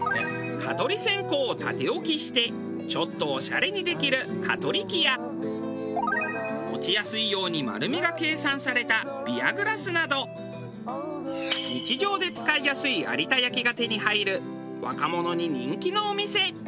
蚊とり線香を縦置きしてちょっとオシャレにできる蚊とり器や持ちやすいように丸みが計算されたビアグラスなど日常で使いやすい有田焼が手に入る若者に人気のお店。